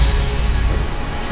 dia terus saja memburu